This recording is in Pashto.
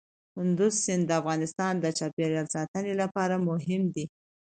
کندز سیند د افغانستان د چاپیریال ساتنې لپاره مهم دي.